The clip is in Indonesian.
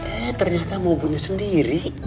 eh ternyata mau bunuh sendiri